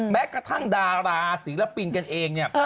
แม้กระทั่งดาราศิลปินกันเองเนี่ย